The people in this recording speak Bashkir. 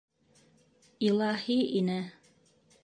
Илаһи ине.